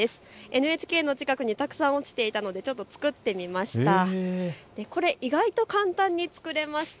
ＮＨＫの近くにたくさん落ちていたのでちょっと作ってみました。